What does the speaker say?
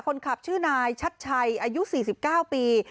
คนขับชื่อนายชัดชัยอายุ๔๙ปี